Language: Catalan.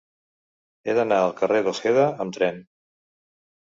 He d'anar al carrer d'Ojeda amb tren.